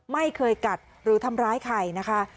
ไม่เคยกัดหรือทำร้ายใครนะคะ